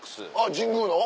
神宮の？